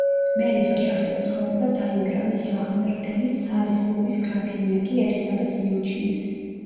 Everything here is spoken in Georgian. მერის ოჯახი და ცხოვრება დაინგრა, მისი აღმზრდელი სალისბურის გრაფინია კი ელისაბედს მიუჩინეს.